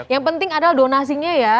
yang penting adalah donasinya ya